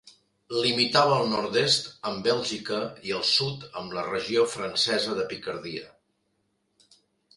Limitava al nord-est amb Bèlgica i al sud amb la regió francesa de Picardia.